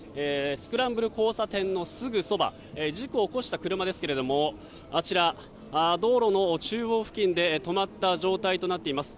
スクランブル交差点のすぐそば事故を起こした車ですけれどもあちら、道路の中央付近で止まった状態となっています。